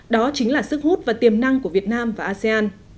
đó chính là sức hút và tiềm năng của việt nam và asean